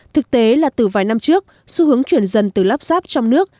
thực tế là từ vài năm trước xu hướng chuyển dần từ lắp ráp trong nước